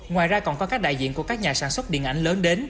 ngoài ra còn có các đại diện của các nhà sản xuất điện ảnh lớn đến